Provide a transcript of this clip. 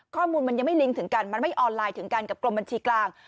ข้อมูลมันยังไม่ลิงก์ถึงกันมันไม่ออนไลน์ถึงกันกับกรมบัญชีกลาง